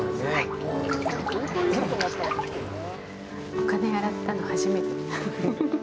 お金洗ったの初めて。